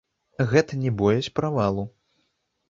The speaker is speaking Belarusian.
Гэта не боязь правалу.